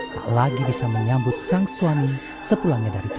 tak lagi bisa menyambut sang suami sepulangnya dari kota